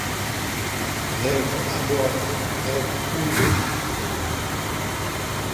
Grève, aboye, Grève, grouille!